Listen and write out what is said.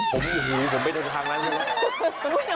หูยผมไม่ได้ทางนั้นใช่ไหม